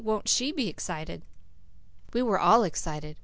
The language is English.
"Won't she be excited!" We were all excited.